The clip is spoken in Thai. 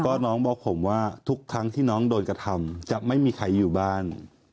ก็น้องบอกผมว่าทุกครั้งที่น้องโดนกระทำจะไม่มีใครอยู่บ้าน